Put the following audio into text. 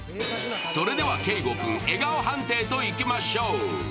それでは景瑚君、笑顔判定といきましょう。